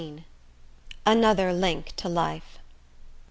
XIV. Another Link To Life.